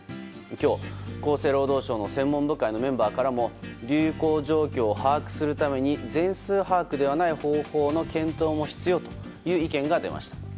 今日、厚生労働省の専門部会のメンバーからも流行状況を把握するために全数把握ではない方法の検討も必要という意見が出ました。